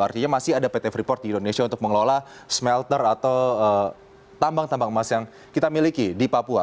artinya masih ada pt freeport di indonesia untuk mengelola smelter atau tambang tambang emas yang kita miliki di papua